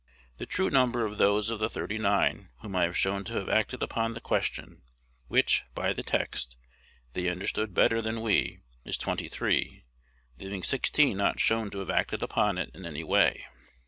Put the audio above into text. The true number of those of the "thirty nine" whom I have shown to have acted upon the question, which, by the text, they understood better than we, is twenty three, leaving sixteen not shown to have acted upon it in any way.